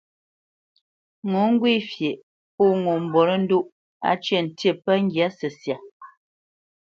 Ŋo ŋgwê fyeʼ pô ŋo mbolə́ndóʼ, á cə̂ ntî pə́ ŋgyǎ səsya.